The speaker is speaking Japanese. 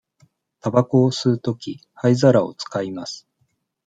たばこを吸うとき、灰皿を使います。